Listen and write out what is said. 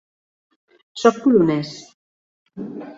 Soc polonès.